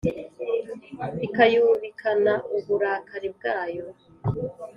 ikayubikana uburakari bwayo